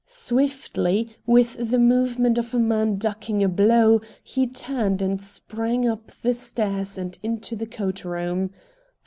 Swiftly, with the movement of a man ducking a blow, he turned and sprang up the stairs and into the coat room.